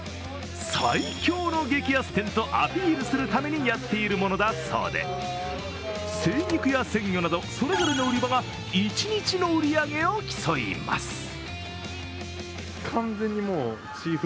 最強の激安店とアピールするためにやっているものだそうで精肉や鮮魚などそれぞれの売り場が一日の売り上げを競います。